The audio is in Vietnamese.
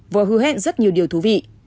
và hứa hẹn rất nhiều điều thú vị